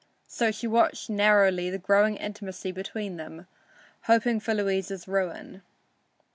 So she watched narrowly the growing intimacy between them, hoping for Louisa's ruin.